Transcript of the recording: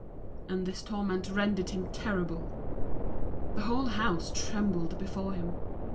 And this torment rendered him terrible, the whole house trembled before him.